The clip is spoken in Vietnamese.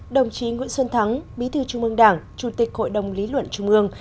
đồng chí nguyễn xuân thắng bí thư trung ương đảng chủ tịch hội đồng lý luận trung ương